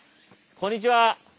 ・こんにちは。